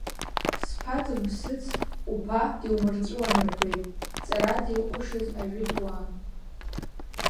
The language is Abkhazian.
Зԥа дымԥсыц уԥа диумырҵәуан рҳәоит, ҵарада иҟәышыз ажәытәуаа.